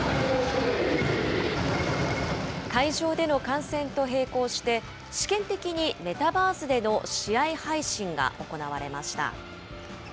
会場での観戦と並行して、試験的にメタバースでの試合配信が行われました。